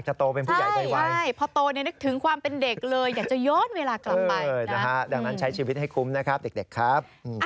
ขอบคุณครับ